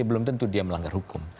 belum tentu dia melanggar hukum